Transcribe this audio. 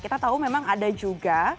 kita tahu memang ada juga